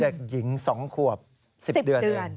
เด็กหญิง๒ขวบ๑๐เดือนเอง